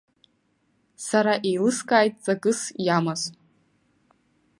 Сара еилыскааит ҵакыс иамаз.